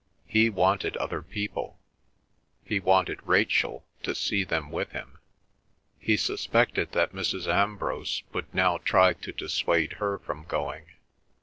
He wanted other people; he wanted Rachel, to see them with him. He suspected that Mrs. Ambrose would now try to dissuade her from going.